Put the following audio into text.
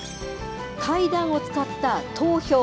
階段を使った投票。